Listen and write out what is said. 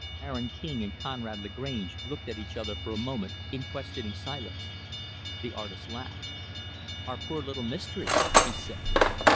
Aaron King and Conrad Lagrange looked at each other, for a moment, in questioning silence. The artist laughed. "Our poor little mystery," he said.